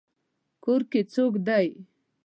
کور کې څوک دی؟